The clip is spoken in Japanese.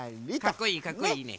かっこいいかっこいいね。